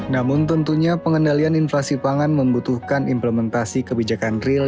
namun tentunya pengendalian inflasi pangan membutuhkan implementasi kebijakan real